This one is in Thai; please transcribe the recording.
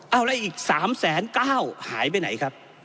เอาแล้วอีก๓แสนก้าวหายไปไหนครับ